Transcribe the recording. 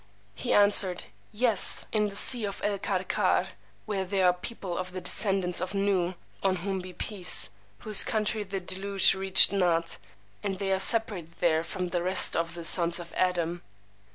He answered, Yes, in the Sea of El Karkar, where are a people of the descendants of Nooh (on whom be peace!), whose country the deluge reached not, and they are separated there from [the rest of] the sons of Adam.